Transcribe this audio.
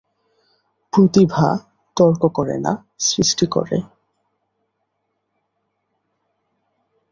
প্রতিভা তর্ক করে না, সৃষ্টি করে।